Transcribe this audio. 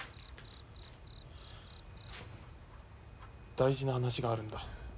大事な話があるんだ。